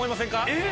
えっ？